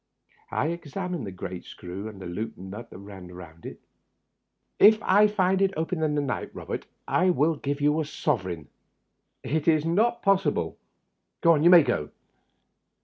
I examined the great screw and the looped nut that ran on it. " If I find it open in the night, Eobert, I will give you a sovereign. It is not possible. You may go."